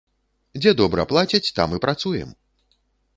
Дзе добра плацяць, там і працуем!